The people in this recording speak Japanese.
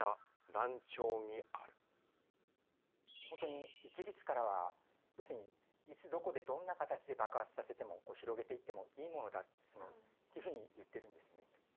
本当に生きる力は要するにいつどこでどんな形で爆発させても広げていってもいいものだというふうに言ってるんですね。